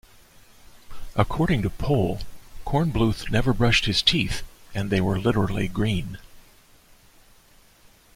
According to Pohl, Kornbluth never brushed his teeth, and they were literally green.